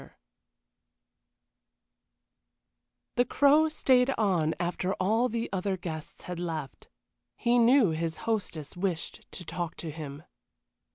XXII The Crow stayed on after all the other guests had left. He knew his hostess wished to talk to him.